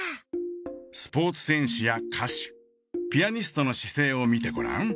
スポーツ選手や歌手ピアニストの姿勢を見てごらん。